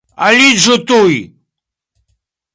Aliĝu tuj!